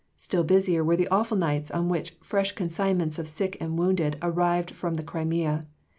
Still busier were the awful days on which fresh consignments of sick and wounded arrived from the Crimea.